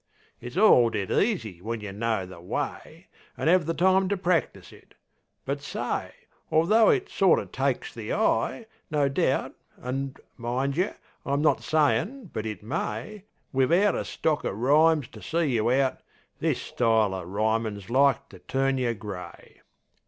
It's orl dead easy when yeh know the way, An' 'ave the time to practise it But, say, Although it sort o' takes the eye, no doubt (An', mind yeh, I'm not sayin' but it may) Wivout a stock uv rhymes to see you out This style o' rhymin's like to turn yeh grey.